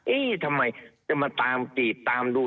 เอ๊ะทำไมจะมาตามจีบตามดู